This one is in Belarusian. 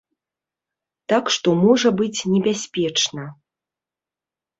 Так што можа быць небяспечна.